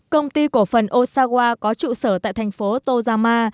công ty cổ phần osawa có trụ sở tại thành phố tojama